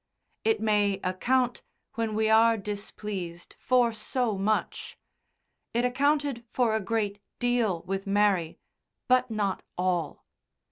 It may account, when we are displeased, for so much. It accounted for a great deal with Mary but not all.